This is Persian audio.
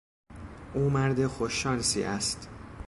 او مرد خوششانسی است.